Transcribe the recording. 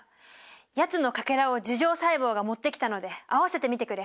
やつのかけらを樹状細胞が持ってきたので合わせてみてくれ。